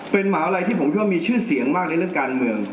เป็นหมาลัยที่ผมคิดว่ามีชื่อเสียงมากในเรื่องการเมือง